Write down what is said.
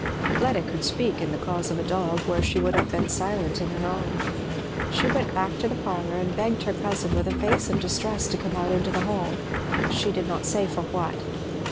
Fleda could speak in the cause of a dog, where she would have been silent in her own. She went back to the parlour and begged her cousin with a face of distress to come out into the hall, she did not say for what.